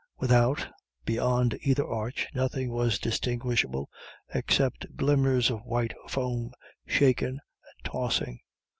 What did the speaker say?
Without, beyond either arch, nothing was distinguishable except glimmers of white foam shaken and tossing.